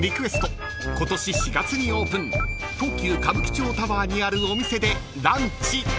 ［今年４月にオープン東急歌舞伎町タワーにあるお店でランチ］